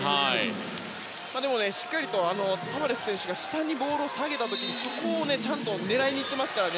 でも、しっかりとタバレス選手が下にボールを下げた時に、そこをちゃんと狙いに行ってますからね。